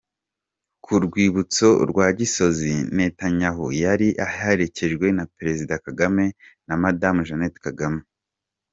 Ku rwibutso rwa Gisozi, Netanyahu yari aherekejwe na Perezida Kagame na Madamu Jeannette Kagame.